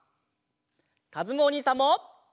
かずむおにいさんも！